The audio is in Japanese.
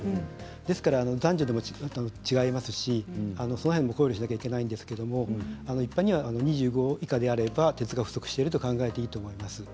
ですから男女でも違いますしその辺りも考慮しなければいけないんですけれど、一般には２５以下であれば鉄が不足していると考えていいと思います。